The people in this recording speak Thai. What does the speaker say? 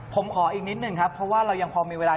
ผมขออีกนิดหนึ่งครับเพราะว่าเรายังพอมีเวลา